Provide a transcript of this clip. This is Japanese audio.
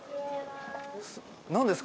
何ですか？